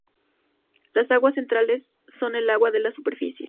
Las aguas centrales son el agua de la superficie.